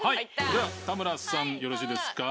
では田村さんよろしいですか？